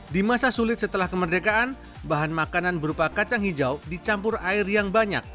di masa sulit setelah kemerdekaan bahan makanan berupa kacang hijau dicampur air yang banyak